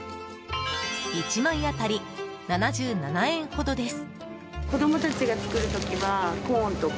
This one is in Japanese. １枚当たり、７７円ほどです。